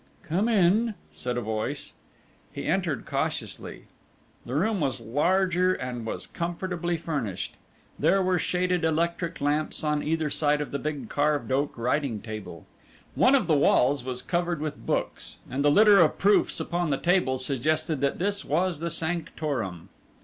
"Come in," said a voice. He entered cautiously. The room was larger and was comfortably furnished. There were shaded electric lamps on either side of the big carved oak writing table. One of the walls was covered with books, and the litter of proofs upon the table suggested that this was the sanctorum.